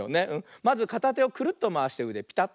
まずかたてをクルッとまわしてうでピタッ。